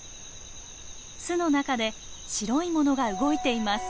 巣の中で白いものが動いています。